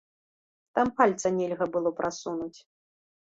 Там пальца нельга было прасунуць.